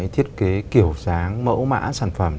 thiết kế kiểu dáng mẫu mã sản phẩm